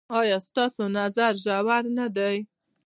ایا ستاسو نظر ژور نه دی؟